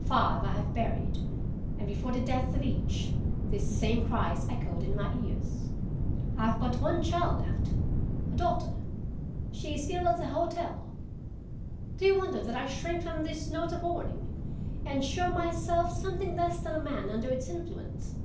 Five I have buried, and, before the death of each, this same cry has echoed in my ears. I have but one child left, a daughter,—she is ill at the hotel. Do you wonder that I shrink from this note of warning, and show myself something less than a man under its influence?